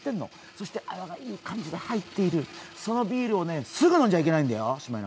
そして泡がいい感じで入っている、そのビールをすぐ飲んじゃいけないんだよ。